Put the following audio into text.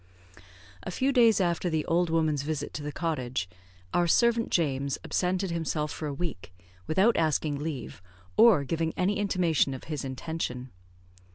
A few days after the old woman's visit to the cottage, our servant James absented himself for a week, without asking leave, or giving any intimation of his intention.